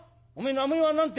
名前は何て